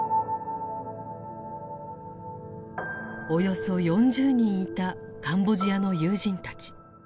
およそ４０人いたカンボジアの友人たち。